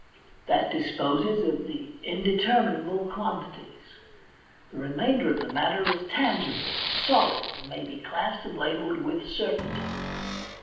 That disposes of the indeterminable quantities ; the remainder of the matter is tangible, solid, and may be classed and labelled with certainty.